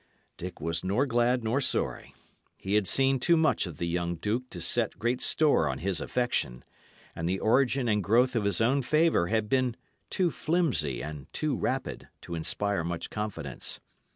Dick was nor glad nor sorry. He had seen too much of the young duke to set great store on his affection; and the origin and growth of his own favour had been too flimsy and too rapid to inspire much confidence.